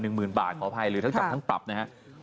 หนึ่งหมื่นบาทขออภัยหรือทั้งจำทั้งปรับนะครับ